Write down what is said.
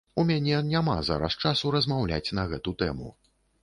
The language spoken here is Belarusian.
У мяне няма зараз часу размаўляць на гэту тэму.